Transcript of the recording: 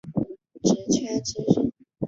职缺资讯